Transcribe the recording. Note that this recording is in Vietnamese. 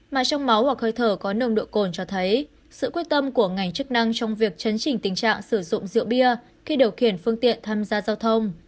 mà trong máu hoặc hơi thở có nồng độ cồn cho thấy sự quyết tâm của ngành chức năng trong việc chấn chỉnh tình trạng sử dụng rượu bia khi điều khiển phương tiện tham gia giao thông